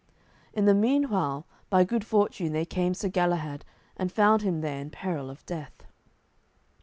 In the meanwhile by good fortune there came Sir Galahad and found him there in peril of death.